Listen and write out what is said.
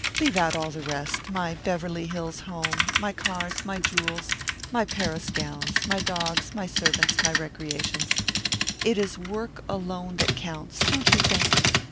Leave out all the rest my Beverly Hills home, my cars, my jewels, my Paris gowns, my dogs, my servants, my recreations. It is work alone that counts, don't you think?